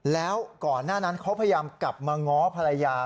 แล้วก่อนหน้านั้นเขาพยายามกลับมาง้อภรรยา